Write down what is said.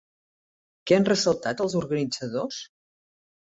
Què han ressaltat els organitzadors?